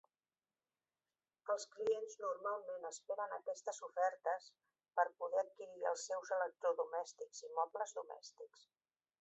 Els clients normalment esperen aquestes ofertes per poder adquirir els seus electrodomèstics i mobles domèstics.